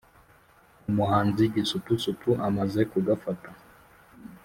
umuhanzi gisupusupu amaze kugafata